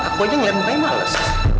aku aja ngeliat mukanya males